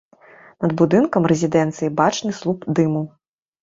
Над будынкам рэзідэнцыі бачны слуп дыму.